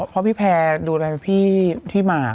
เพราะพี่แพร่ดูแลพี่หมาก